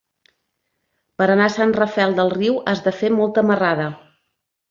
Per anar a Sant Rafel del Riu has de fer molta marrada.